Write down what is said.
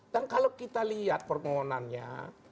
dan kalau kita lihat permohonannya